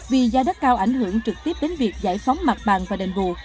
vì gia đất cao ảnh hưởng trực tiếp đến việc giải phóng mặt bàn và đền bù